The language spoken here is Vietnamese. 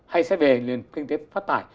hay sẽ về nền kinh tế phát thải